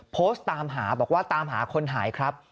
โพสต์ตามหาบอกว่าตามหาคนหายครับ